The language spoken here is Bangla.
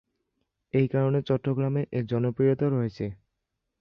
এই কারণে চট্টগ্রামে এর জনপ্রিয়তা রয়েছে।